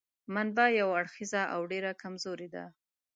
منبع یو اړخیزه او ډېره کمزورې ده.